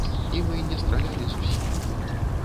І мы не стралялі зусім.